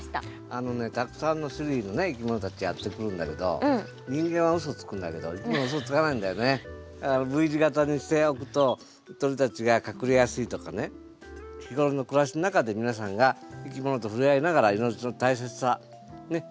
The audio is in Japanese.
あのねたくさんの種類のいきものたちやって来るんだけど人間はウソつくんだけどだからＶ字型にしておくと鳥たちが隠れやすいとかね日頃の暮らしの中で皆さんがいきものと触れ合いながら命の大切さ学んでいきましょう。